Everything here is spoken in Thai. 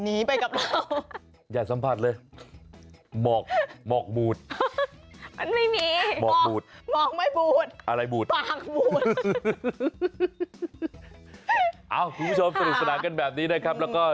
เอ้าคุณผู้ชมสนุกสนากันแบบนี้ได้ครับ